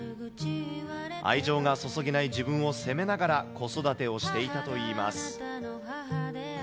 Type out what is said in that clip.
愛情が注げない自分を責めながら、子育てをしていたといいます。